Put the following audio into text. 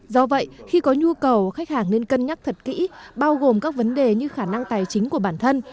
do vậy khi có nhu cầu khách hàng nên cân nhắc thật kỹ bao gồm các vấn đề như khả năng tài chính của bản thân